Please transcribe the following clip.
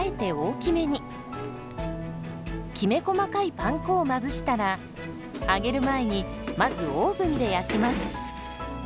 きめ細かいパン粉をまぶしたら揚げる前にまずオーブンで焼きます。